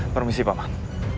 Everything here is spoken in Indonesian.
permisi pak man